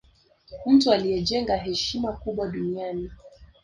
mtu aliye jenga heshima kubwa duniani